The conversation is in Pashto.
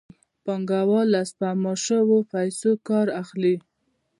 پانګوال له سپما شویو پیسو کار اخلي